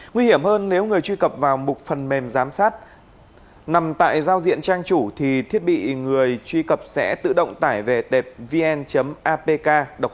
nguy hiểm hơn nếu người truy cập vào mục phần mềm giám sát nằm tại giao diện trang chủ thì thiết bị người truy cập sẽ tự động tải về tệp vn apk độc